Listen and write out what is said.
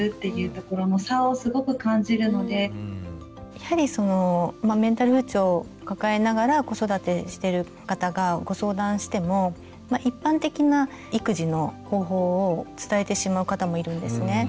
やはりそのメンタル不調を抱えながら子育てしてる方がご相談しても一般的な育児の方法を伝えてしまう方もいるんですね。